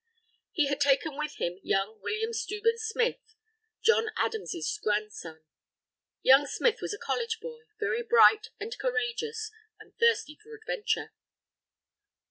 He had taken with him young William Steuben Smith, John Adams's grandson. Young Smith was a college boy, very bright and courageous, and thirsty for adventure.